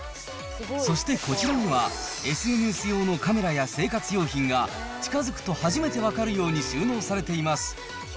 そしてこちらには、ＳＮＳ用のカメラや生活用品が、近づくと初めて分かるように収納されています。